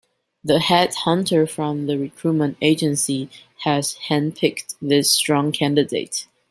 The head hunter from the recruitment agency has hand-picked this strong candidate.